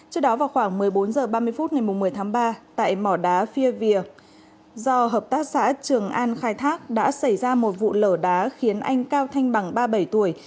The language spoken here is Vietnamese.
trước đó vào khoảng một mươi bốn h ba mươi phút ngày một mươi tháng ba tại mỏ đá phia vỉa do hợp tác xã trường an khai thác đã xảy ra một vụ lở đá khiến anh cao thanh bằng ba mươi bảy tuổi